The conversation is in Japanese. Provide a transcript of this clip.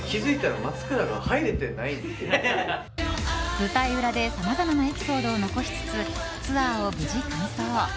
舞台裏でさまざまなエピソードを残しつつツアーを無事完走。